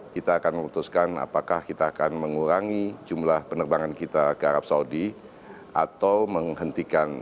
kita akan memutuskan apakah kita akan mengurangi jumlah penerbangan kita ke arab saudi atau menghentikan